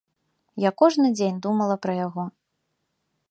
Я кожны дзень думала пра яго.